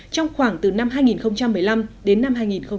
trong khoảng từ năm hai nghìn một mươi năm đến năm hai nghìn hai mươi